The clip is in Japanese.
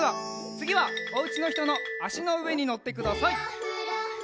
つぎはおうちのひとのあしのうえにのってください！